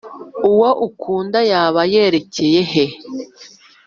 Uwo ukunda yaba yerekeye he,